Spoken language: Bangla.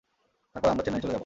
তারপর আমরা চেন্নাই চলে যাব।